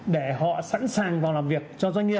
để họ sẵn sàng vào làm việc cho doanh nghiệp